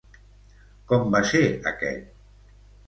Com va ser aquest?